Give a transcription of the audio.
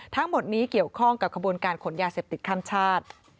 ทั้งหมดนี้เกี่ยวข้องกับขบวนการขนยาเสพติดข้ามชาติ